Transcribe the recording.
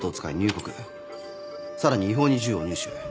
さらに違法に銃を入手。